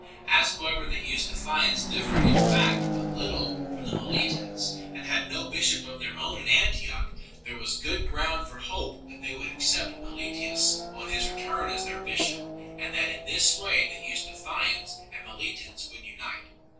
As however the Eusta thians differed in fact but little from the Meletians, and had no bishop of their own in Antioch 3 , there was good ground for hope that they would accept Meletius on his return as their bishop, and that in this way the Eusta thians and Meletians would be united.